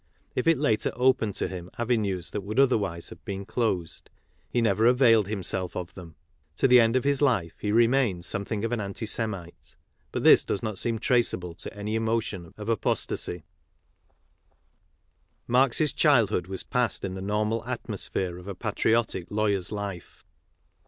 If it later opened to him avenues that would otherwise have been closed, he never availed him self of them. To the end of his life he remained some thing of an anti Semite ; but this does not seem traceable to any emotion of iapostasy\ Marx's childhood was passed in the normal atmosphere of a patriotic lawyer's life.